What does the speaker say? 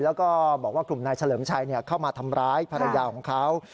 แล้วก็บอกว่ากลุ่มนายเฉลิมชัยเข้ามาทำร้ายภรรยาของเขา